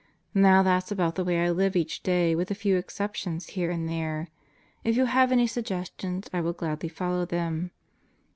... Now that's about the way I live each day with a few exceptions here and there. If you have any suggestions I will gladly follow them.